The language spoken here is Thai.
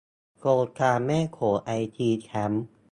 โครงการแม่โขงไอซีทีแคมป์